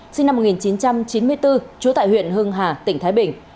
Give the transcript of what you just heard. sinh năm một nghìn chín trăm chín mươi bốn trú tại huyện hưng hà tỉnh thái bình